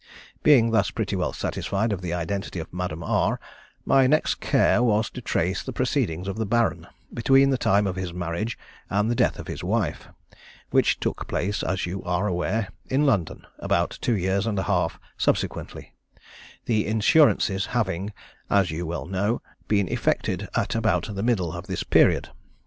Being thus pretty well satisfied of the identity of Madame R, my next care was to trace the proceedings of the Baron between the time of his marriage and the death of his wife, which took place, as you are aware, in London, about two years and a half subsequently; the insurances having, as you well know, been effected at about the middle of this period.